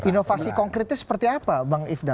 inovasi konkretnya seperti apa bang ifda